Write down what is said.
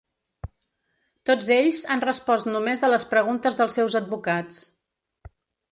Tots ells han respost només a les preguntes dels seus advocats.